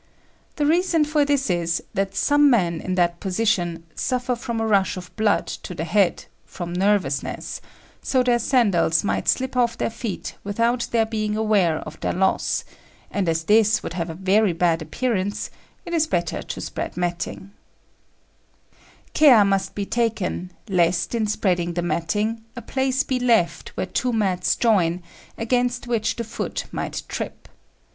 The reason for this is that some men in that position suffer from a rush of blood to the head, from nervousness, so their sandals might slip off their feet without their being aware of their loss; and as this would have a very bad appearance, it is better to spread matting. Care must be taken lest, in spreading the matting, a place be left where two mats join, against which the foot might trip.